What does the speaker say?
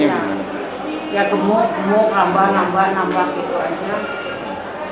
ya tumbuh tumbuh nambah nambah nambah gitu aja